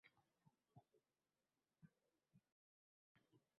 Mahsulotga kam xarajat qilib qimmatroq sotish – har bir tadbirkorning istagi.